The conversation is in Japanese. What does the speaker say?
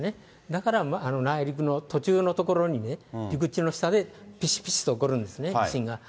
だから内陸の途中の所にね、陸地の下でぴしぴしと起こるんですね、地震が。